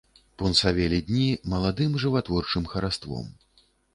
Пунсавелі дні маладым жыватворчым хараством.